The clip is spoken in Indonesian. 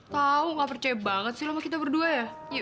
tahu nggak percaya banget sih sama kita berdua ya